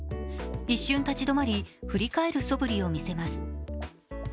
一瞬立ち止まり、振り返るそぶりを見せます。